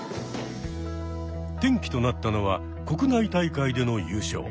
転機となったのは国内大会での優勝。